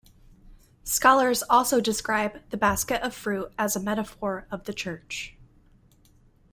Scholars also describe the basket of fruit as a metaphor of the Church.